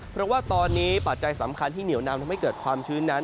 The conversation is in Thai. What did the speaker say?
เพราะว่าตอนนี้ปัจจัยสำคัญที่เหนียวนำทำให้เกิดความชื้นนั้น